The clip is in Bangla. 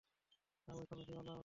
তাও ঐ ফার্মেসিওয়ালা শম্ভুকে?